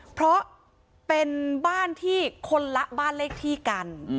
เพราะเป็นบ้านที่คนละบ้านเลขที่กัน